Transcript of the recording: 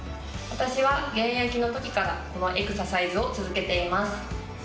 私は現役のときからこのエクササイズを続けています。